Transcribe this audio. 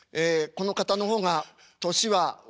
この方のほうが年は上でええ